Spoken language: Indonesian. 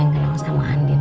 yang kenal sama andien